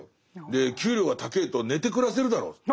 で給料が高ぇと寝て暮らせるだろって。